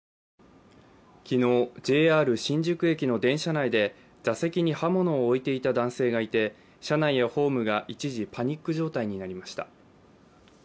昨日、ＪＲ新宿駅の電車内で座席に刃物を置いていた男性がいて車内やホームが一時パニック状態になりました。